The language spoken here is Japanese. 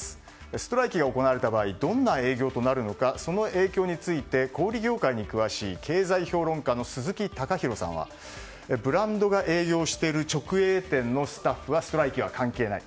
ストライキが行われた場合どんな営業となるかその影響について小売業界に詳しい経済評論家の鈴木貴博さんはブランドが営業している直営店のスタッフはストライキは関係ない。